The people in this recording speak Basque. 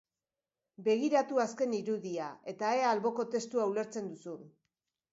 Begiratu azken irudia eta ea alboko testua ulertzen duzun.